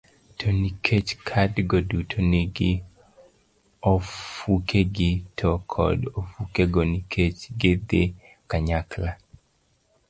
To nikech kadgo duto nigi ofukegi, ti kod ofukego nikech gidhi kanyakla